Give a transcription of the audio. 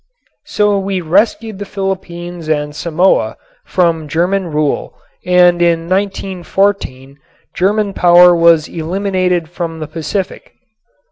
So we rescued the Philippines and Samoa from German rule and in 1914 German power was eliminated from the Pacific.